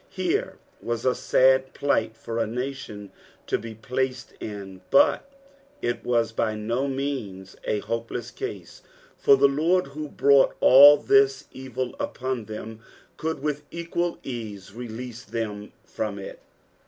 Here was a sad plight for a naljon to be placed in, but it was by no means a hopeless case, for the Lord who brought all this evil upon them could with equal ease release them from it.